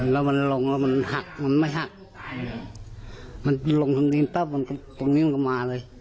แล้วมันลงแล้วมันหักมันไม่หักมันลงตรงนี้ปั๊บมันตรงนี้มันก็มาเลย